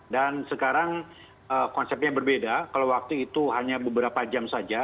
dan sekarang konsepnya berbeda kalau waktu itu hanya beberapa jam saja